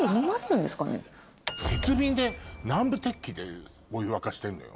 鉄瓶で南部鉄器でお湯沸かしてんのよ。